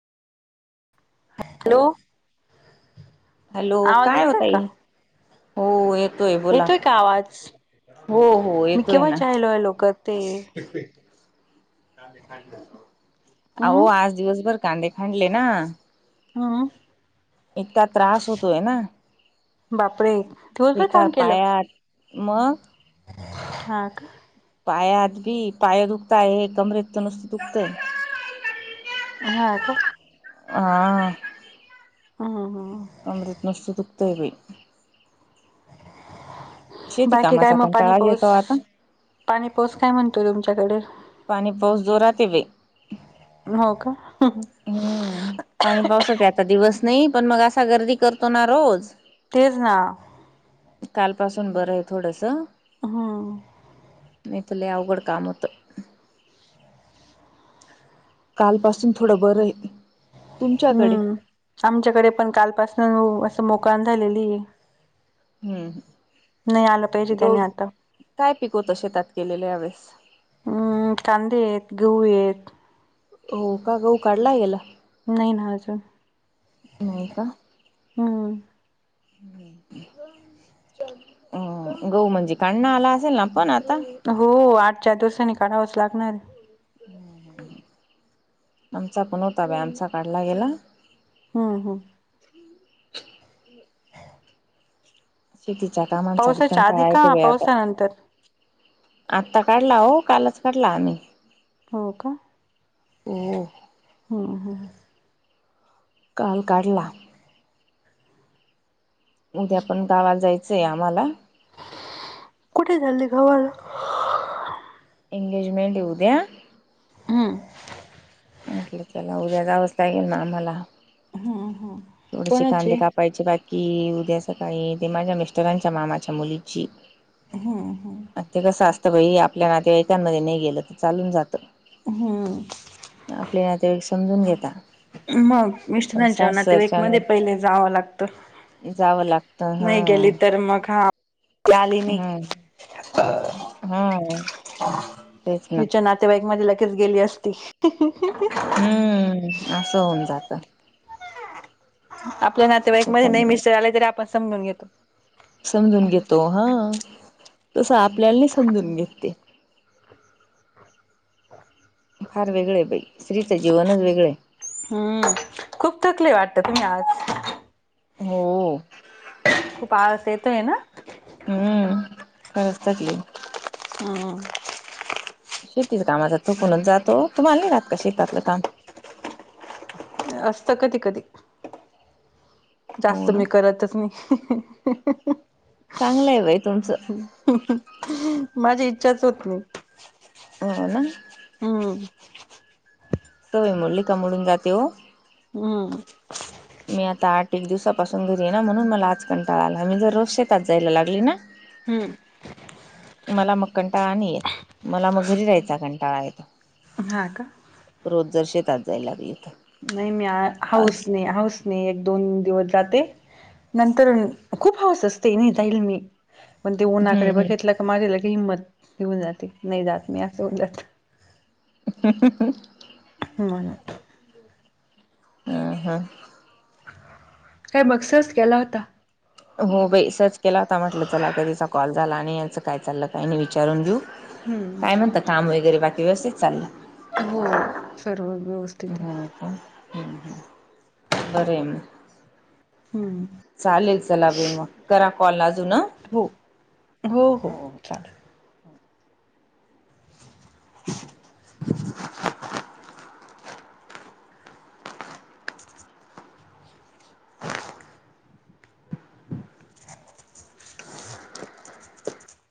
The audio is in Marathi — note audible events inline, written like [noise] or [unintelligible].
हॅलो. हॅलो आवाज काय हो येतोय का ताई? हो येतोय. बोला येतोय का आवाज? हो हो मी केव्हाची हॅलो हॅलो करते. आहो हम्म आज दिवसभर कांदे खनले ना हं इतका त्रास होतोय ना,, बापरे दिवसभर ऐका काम केलं पायात मग? हा का. पाया त बी पाया दुखता हे, कमरेत तर नुसत दुखतेय. हा का. आ आ आ. अं हं. कमरेत नुसतं दुखतंय बाई. शेती बाकी काय कामाचा म पाणी कंटाळाच पाऊस, येतो आता पाणी पाऊस काय म्हणतोय तुमच्याकडे? पाणी पाऊस जोरात ए बाई. न्हव का. उं हुं. हम्म् पाणी पावसाचे आता दिवस नाही पण मग असा गर्दी करतो ना रोज. तेज ना. काल पासून बरंय थोडस. हं. नई त लै आवघड काम होत. कालपासून थोडं बरं ये. हम्, आमच्याकडे पण काल पासन ओ असं मोकाण झालेली ये. हम्. नाही आलं पाहिजे ग त्याने आता काय पिकवता शेतात केलेल या वेेळेस? उम्.. कांदे येत, गहू येत. हो का. गऊ काढला येला? नई ना आजून. नाही का हम्म्. अ.. गऊ म्हणजे कांडण आला असेल ना पण आता? हो.. ओ.. आठ-चार दिवसांनी काढावाच लागणार ये. आमचा पण होता बाई, आमचा काढला गेला. हम् हम्. शेतीच्या कामांचा बी पावसाच्या आधी कंटाळा का येतंय बाई आता. पावसानंतर आत्ता काढला ओ, कालच काढला आम्ही. हो का? हो ह ह. काल काढला. उद्या पण गावाला जायचंय आम्हाला. कुठे चाल्ले गावाला? एंगेजमेंट ए उद्या. ह्म. म्हटलं चला उद्या जावंच लागेल ना आम्हाला. थोडेशे कोणाची? कांदे काप पायचे बाकी... उद्या सकाळी.. ते माझ्या मिश्टरां च्या मामाच्या मुलीची आं ते कसं आसतं बाई... आपल्या नातेवाईकांन मध्ये नई गेलं त चालून जातं. हम्म्. आपले नातेवाईक समजून घेता मगं पण मस्टरांच्या सासरच्या नातेवाईकमध्ये पहिले जावं लागतं. जावं लागतं हा नई गेली तर मगं हां आप-ल्याली नई. हां.. न. तेच ना. त्या बाईक मध्ये लगेच गेली असती. हं हं हं हं. हम्म्... आसं होऊन जातं. आपल्या नातेवाईकमध्ये नई त्याच्यामुळे मिश्टर आले तरी आपण समजून घेतो. समजून घेतो हां. तसं आपल्याला नई समजून घेतं ते. फार वेगळंय बई. स्त्रीचं जीवनचं वेगळंय. हं.. अ.. खूप थकले वाटतं तुम्ही आज. हो. हो. खूप आळस येतोयं ना. हंम्म... खरचं थकलीयं. हां हां.. शेतीचं कामाला थकूनच जात हो. तूम्हाला नाही राहत का? शेतातलं कामं. असतं कधी, कधी [inaudible] हो जास्तं ना मी करतचं नाही. [unintelligible] चांगलयं बाई तुमचं. माझी इच्छाचं होतं नाही. हो ना. हंम्म. सवय मोडलीका मोडून जाते. हो. हंम्म. मी आता आठ एक दिवसापासून घरी ये ना. म्हणूनं मला आज कंटाळा आला. मी दररोज शेतात जायलां लागली ना. हंम्म. मला मग कंटाळा नाही येत. मला मगं घरी रायचां कंटाळा येतो. हा का? रोज जर शेतातं जायला लागले इथं नाही. मी हाऊस नाही. हाऊस एक, दोन दिवस जाते. नंतर खूप हाऊस असते. नाही मी जाईल मी पण ते उन्हाकडे हम्म बघितलं का? माझी लगेच हिंमत निघून जाते. नाही जात मी असं ब जत [unintelligible] [unintelligible] हं हां. काय मग सहज केला होता. हो बाई सहज केला होता. म्हटलं चला कधीचा कॉल झाला. नाही. याचं काय चाललं, काय नाही विचारून घेऊ. हम्म काय म्हणतं. काम वगैरे बाकी व्यवस्थित चाललं. हो.. सर्व व्यवस्थित [inaudible] आहे हां का? हं, हं. बरे मं हम्म. चालेल चला बाई मग, करा कॉल अजून अ. हो, हो-हो चालेल. [inaudible]